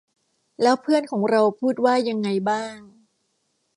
แล้วเพื่อนของเราพูดว่ายังไงบ้าง